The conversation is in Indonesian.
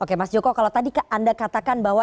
oke mas joko kalau tadi anda katakan bahwa